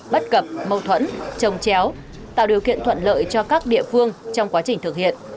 bất cập mâu thuẫn trồng chéo tạo điều kiện thuận lợi cho các địa phương trong quá trình thực hiện